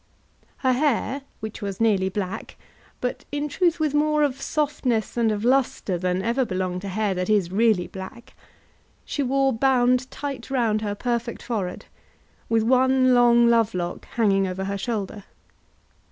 Her hair, which was nearly black, but in truth with more of softness and of lustre than ever belong to hair that is really black, she wore bound tight round her perfect forehead, with one long love lock hanging over her shoulder.